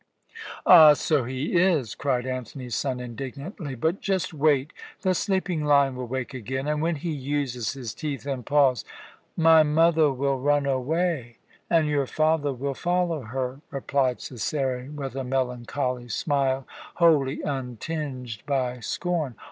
"Ah, so he is!" cried Antony's son indignantly. "But just wait! The sleeping lion will wake again, and, when he uses his teeth and paws " "My mother will run away, and your father will follow her," replied Cæsarion with a melancholy smile, wholly untinged by scorn.